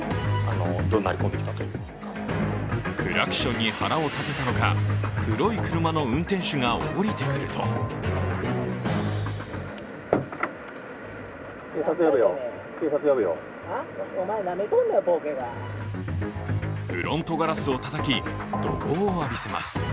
クラクションに腹を立てたのか黒い車の運転手が降りてくるとフロントガラスをたたき、怒号を浴びせます。